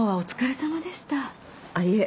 あっいえ。